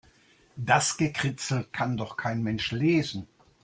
Das Gekritzel kann doch kein Mensch lesen.